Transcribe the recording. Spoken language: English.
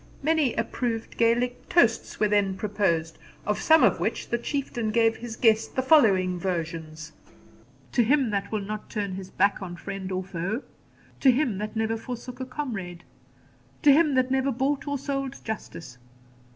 Many approved Gaelic toasts were then proposed, of some of which the Chieftain gave his guest the following versions: 'To him that will not turn his back on friend or foe.' 'To him that never forsook a comrade.' 'To him that never bought or sold justice.'